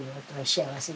幸せ？